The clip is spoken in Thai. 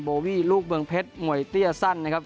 โบวี่ลูกเมืองเพชรมวยเตี้ยสั้นนะครับ